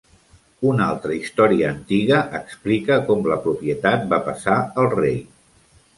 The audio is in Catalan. Una altra història antiga explica com la propietat va passar al rei.